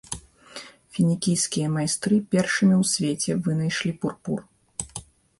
Фінікійскія майстры першымі ў свеце вынайшлі пурпур.